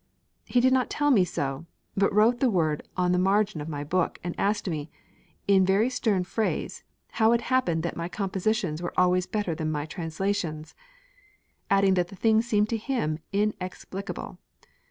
He did not tell me so, but wrote the word on the margin of my book and asked me, in very stern phrase, how it happened that my compositions were always better than my translations, adding that the thing seemed to him inexplicable.